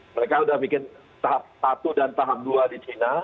mereka sudah bikin tahap satu dan tahap dua di china